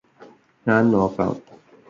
ഞാന് നോക്കാം